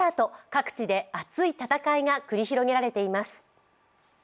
各地で熱い戦いが繰り広げられています。